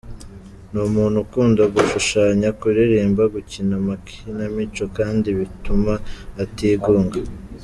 Ni umuntu ukunda gushushanya, kuririmba, gukina amakinamico kandi bituma atigunga.